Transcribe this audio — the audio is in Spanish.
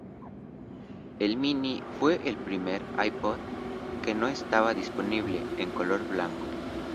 El mini fue el primer iPod que no estaba disponible en color blanco.